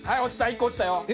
１個落ちたよ！